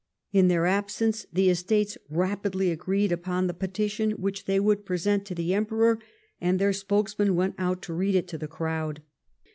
In their absence the Estates rapidly a" reed upon the petition which they would present to the Emperor, and their spokesman went out to read it to the crowd.